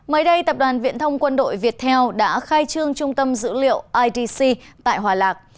mới đây tập đoàn viện thông quân đội viettel đã khai trương trung tâm dữ liệu idc tại hòa lạc